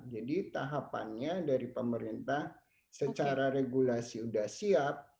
jadi tahapannya dari pemerintah secara regulasi sudah siap